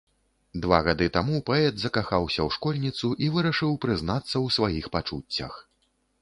Два гады таму паэт закахаўся ў школьніцу і вырашыў прызнацца ў сваіх пачуццях.